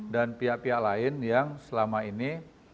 dan pihak pihak lain yang selama ini